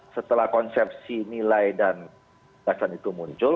setelah konsepsi nilai dan gagasan itu muncul